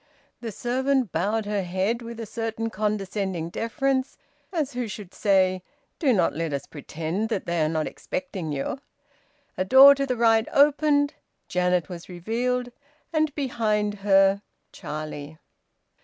The servant bowed her head with a certain condescending deference, as who should say: "Do not let us pretend that they are not expecting you." A door to the right opened. Janet was revealed, and, behind her, Charlie.